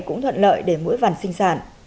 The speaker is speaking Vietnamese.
cũng thuận lợi để mũi vằn sinh sản